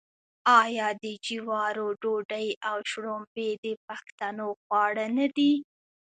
آیا د جوارو ډوډۍ او شړومبې د پښتنو خواړه نه دي؟